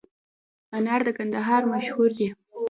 انار د کندهار مشهور دي